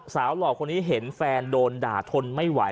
หล่อคนนี้เห็นแฟนโดนด่าทนไม่ไหว